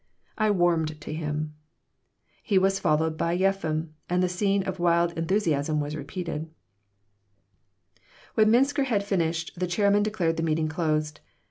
I warmed to him He was followed by Yeffim, and the scene of wild enthusiasm was repeated When Minsker had finished the chairman declared the meeting closed.